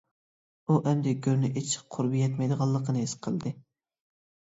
ئۇ ئەمدى گۆرنى ئېچىشقا قۇربى يەتمەيدىغانلىقىنى ھېس قىلدى.